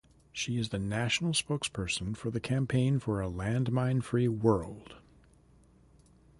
She is the national spokesperson for the Campaign for a Landmine-Free World.